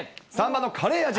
３番のカレー味？